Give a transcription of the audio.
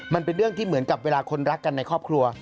มันเป็นเรื่องที่เหมือนกับเวลาคนรักกันในครอบครัว